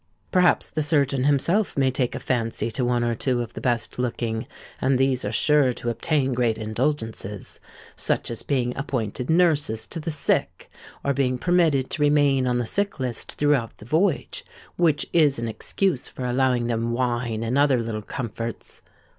Perhaps the surgeon himself may take a fancy to one or two of the best looking; and these are sure to obtain great indulgences—such as being appointed nurses to the sick, or being permitted to remain on the sick list throughout the voyage, which is an excuse for allowing them wine and other little comforts.